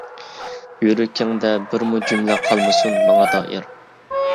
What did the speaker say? يۈرىكىڭدە بىرمۇ جۈملە قالمىسۇن ماڭا دائىر.